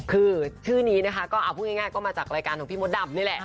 คือชื่อนี้นะคะก็เอาพูดง่ายก็มาจากรายการของพี่มดดำนี่แหละ